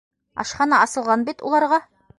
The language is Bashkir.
— Ашхана асылған бит уларға.